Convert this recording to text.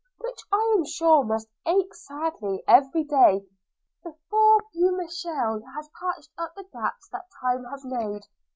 which I am sure must ache sadly every day, before Beaumielle has patched up the gaps that time has made!